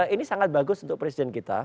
ini sangat bagus untuk presiden kita